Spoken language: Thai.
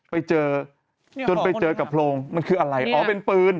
ไปเจอจนไปเจอกับโพรงมันคืออะไรอ๋อเป็นปืน